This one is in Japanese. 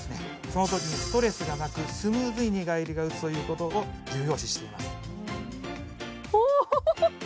そのときにストレスがなくスムーズに寝返りがうつということを重要視しています